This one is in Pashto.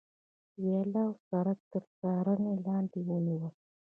ویاله او سړک تر څارنې لاندې ونیول.